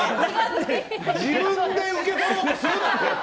自分で受け取ろうとするなよ。